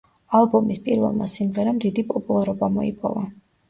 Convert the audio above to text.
ალბომის პირველმა სიმღერამ დიდი პოპულარობა მოიპოვა.